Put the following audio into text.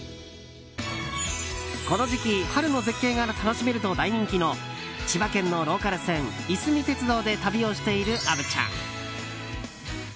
この時期春の絶景が楽しめると人気の千葉県のローカル線いすみ鉄道で旅をしている虻ちゃん。